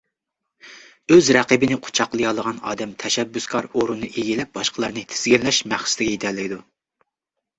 ئۆز رەقىبىنى قۇچاقلىيالىغان ئادەم تەشەببۇسكار ئورۇننى ئىگىلەپ باشقىلارنى تىزگىنلەش مەقسىتىگە يېتەلەيدۇ.